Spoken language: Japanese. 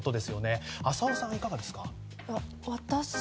浅尾さんはいかがですか？